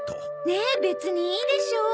ねっ別にいいでしょ？